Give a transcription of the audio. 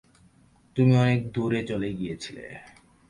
তুমি অনেক দূরে চলে গিয়েছিলে।